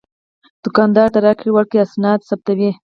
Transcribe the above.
دوکاندار د راکړې ورکړې اسناد ثبتوي.